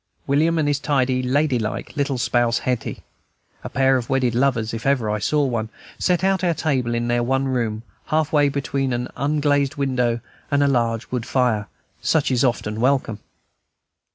William and his tidy, lady like little spouse Hetty a pair of wedded lovers, if ever I saw one set our table in their one room, half way between an un glazed window and a large wood fire, such as is often welcome.